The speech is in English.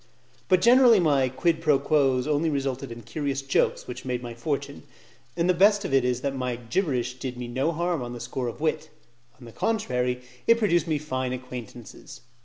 But generally my 'quid pro quos' only resulted in curious jokes which made my fortune; and the best of it is that my gibberish did me no harm on the score of wit: on the contrary, it procured me fine acquaintances.